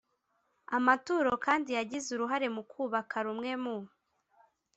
amaturo kandi yagize uruhare mu kubaka rumwe mu